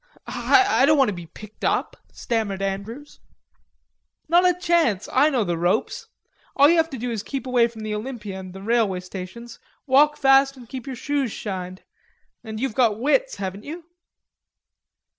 "I don't want to be picked up," stammered Andrews. "Not a chance.... I know the ropes.... All you have to do is keep away from the Olympia and the railway stations, walk fast and keep your shoes shined... and you've got wits, haven't you?"